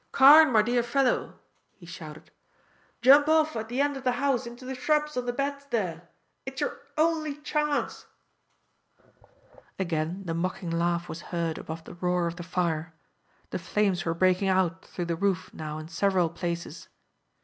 "Carne, my dear fellow," he shouted, "jump off at the end of the house into the shrubs on the beds there, it's your only chance." Again the mocking laugh was heard above the roar of the fire. The flames were breaking out through the roof now in several places.